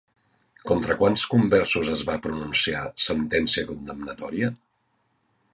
Contra quants conversos es va pronunciar sentència condemnatòria?